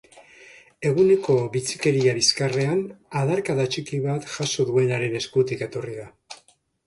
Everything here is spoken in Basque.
Eguneko bitxikeria bizkarrean adarkada txiki bat jaso duenaren eskutik etorri da.